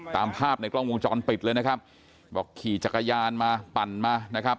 ตามภาพในกล้องวงจรปิดเลยนะครับบอกขี่จักรยานมาปั่นมานะครับ